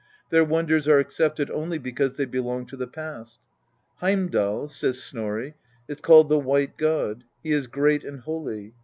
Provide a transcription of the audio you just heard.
i heir wonders are accepted only because they belong to the past. " Heimdal," says Snorn, " is called the White god. He is great and holy.